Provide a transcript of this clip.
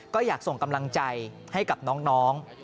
ก็อยากส่งกำลังใจให้กับน้อง